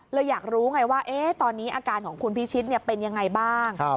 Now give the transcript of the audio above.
อยากรู้ไงว่าตอนนี้อาการของคุณพิชิตเป็นยังไงบ้าง